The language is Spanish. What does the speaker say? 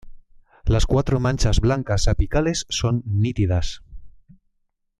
Las cuatro manchas blancas apicales son nítidas.